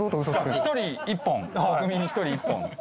１人１本国民１人１本。